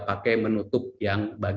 pakai menutup yang bagian kesehatan yang